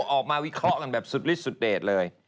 ออกมาวิเคราะห์กันแบบสุดริสต์เดจเลย